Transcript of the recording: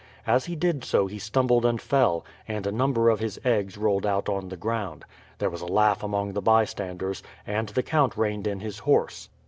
As he did so he stumbled and fell, and a number of his eggs rolled out on the ground. There was a laugh among the bystanders, and the count reigned in his horse.